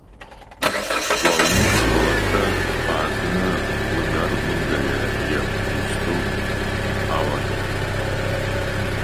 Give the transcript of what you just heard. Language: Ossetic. Уалынмӕ сывӕллӕтты хъазыны уынӕр уынгӕй йӕ хъустыл ауадаид.